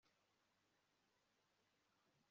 cyangwa ikimasa kikabira kiri mu rwuri